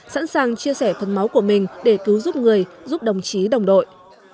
sẵn sàng chia sẻ phần máu của mình để cứu giúp người giúp đồng chí đồng đội